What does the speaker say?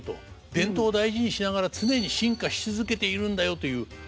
伝統を大事にしながら常に進化し続けているんだよという証しなのかもしれませんね。